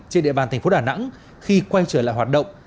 thành phố đà nẵng khi quay trở lại hoạt động